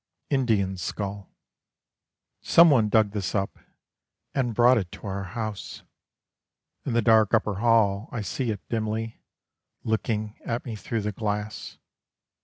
INDIAN SKULL Some one dug this up and brought it To our house. In the dark upper hall, I see it dimly, Looking at me through the glass.